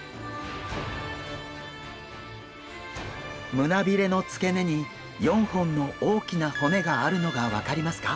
胸びれの付け根に４本の大きな骨があるのが分かりますか？